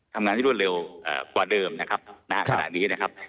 ทำงานที่รวดเร็วกว่าเดิมนะครับณขณะนี้นะครับ